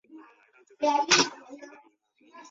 设有栅栏式月台幕门。